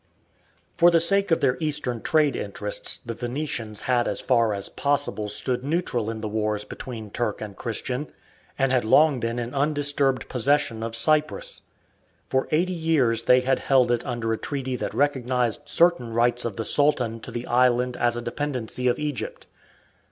For the sake of their Eastern trade interests the Venetians had as far as possible stood neutral in the wars between Turk and Christian, and had long been in undisturbed possession of Cyprus. For eighty years they had held it under a treaty that recognized certain rights of the Sultan to the island as a dependency of Egypt.